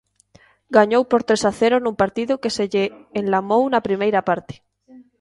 Gañou por tres a cero nun partido que se lle enlamou na primeira parte.